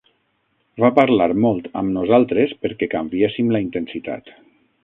Va parlar molt amb nosaltres perquè canviéssim la intensitat.